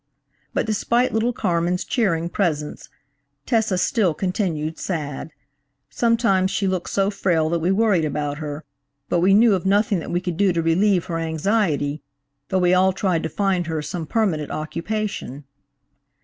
But despite little Carmen's cheering presence, Tessa still continued sad. Sometimes she looked so frail that we worried about her, but we knew of nothing that we could do to relieve her anxiety, though we all tried to find her some permanent occupation.